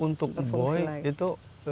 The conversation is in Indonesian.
untuk buoy itu